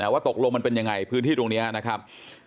ว่าตกลงมันเป็นยังไงพื้นที่ตรงนี้นะครับ